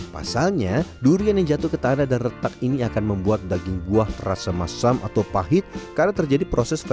pasalnya durian yang jatuh ke tanah dan retak ini akan membuat daging buah terasa masam atau pahit karena terjadi proses